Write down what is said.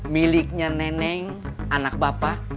miliknya neneng anak bapak